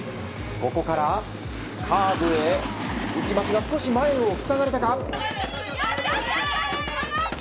ここからカーブへ行きますが少し前を塞がれたか。